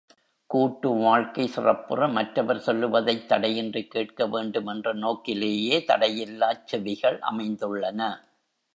கூட்டு வாழ்க்கை சிறப்புற, மற்றவர் சொல்லுவதைத் தடையின்றிக் கேட்க வேண்டும் என்ற நோக்கிலேயே தடையிலாச் செவிகள் அமைந்துள்ளன.